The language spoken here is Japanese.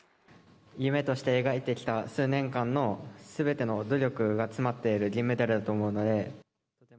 夢として描いてきた数年間のすべての努力が詰まっている銀メダルだと思うので。